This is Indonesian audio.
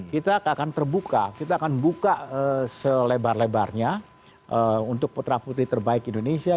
kita akan terbuka kita akan buka selebar lebarnya untuk putra putri terbaik indonesia